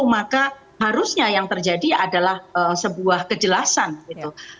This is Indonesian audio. maka harusnya yang terjadi adalah sebuah kejelasan gitu